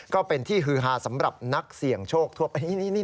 ก็เป็นที่ฮือฮาสำหรับนักเสี่ยงโชคทั่วไป